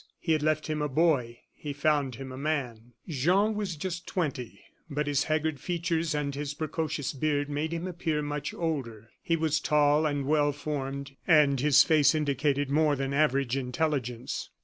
He had left him a boy; he found him a man. Jean was just twenty; but his haggard features and his precocious beard made him appear much older. He was tall and well formed, and his face indicated more than average intelligence.